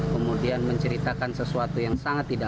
kemudian menceritakan sesuatu yang sangat tidak